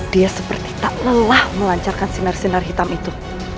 dia seperti tak lelah melancarkan sinar sinar hitam itu